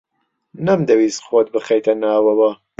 نەمدەویست خۆت بخەیتە ناوەوە.